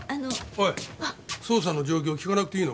おい捜査の状況を聞かなくていいのか？